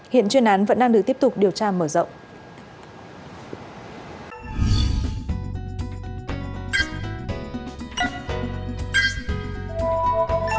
hiện chuyên án vẫn đang được tiếp tục điều tra mở rộng